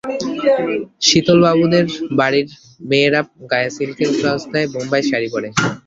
শীতলবাবুদের বাড়ির মেয়েরা গায়ে সিল্কের ব্লাউজ দেয়, বোম্বাই শাড়ি পরে।